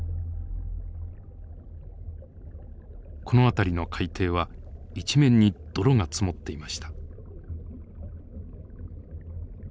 この辺りの海底は一面に泥が積もっていました。